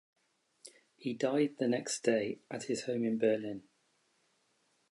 He died the next day at his home in Berlin.